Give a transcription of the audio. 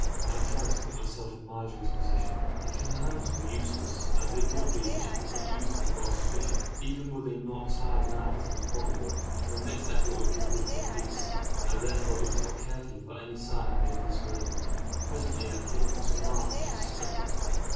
I tried to put myself in Marjory's position. If her hands were useless, as they would be if she could not use them without suspicion even were they not tied now as was probable her next effort would be with her feet; I therefore looked out carefully for any sign made this way. Presently I came across a mark which I suspected.